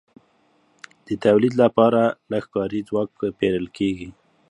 د تولید لپاره لږ کاري ځواک پېرل کېږي